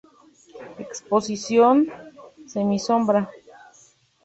Exposición semisombra.